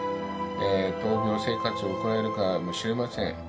闘病生活を送られるかもしれません。